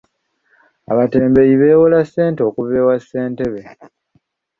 Abatembeeyi beewola ssente okuva ewa ssentebe.